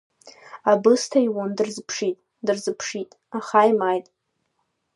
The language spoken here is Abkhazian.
Абысҭа иун дырзыԥшит, дырзыԥшит, аха имааит.